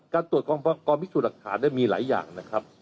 การตรวจกองพิสูจน์หลักฐานมีหลายอย่างนะครับ